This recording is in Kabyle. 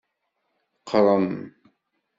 Qrem.